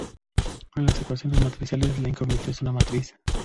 En las ecuaciones matriciales, la incógnita es una matriz.